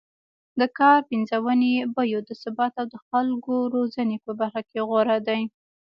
د کار پنځونې، بیو د ثبات او خلکو روزنې په برخه کې غوره دی